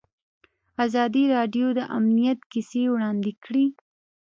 ازادي راډیو د امنیت کیسې وړاندې کړي.